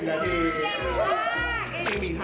สวัสดีครับมาเจอกับแฟแล้วนะครับ